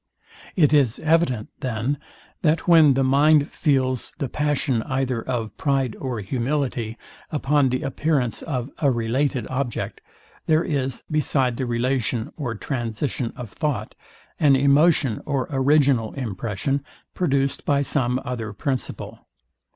It is evident, then, that when the mind feels the passion either of pride or humility upon the appearance of related object, there is, beside the relation or transition of thought, an emotion or original impression produced by some other principle.